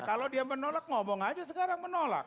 kalau dia menolak ngomong aja sekarang menolak